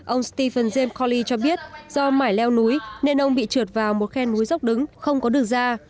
ông stephen james cawley cho biết do mải leo núi nên ông bị trượt vào một khen núi dốc đứng không có đường ra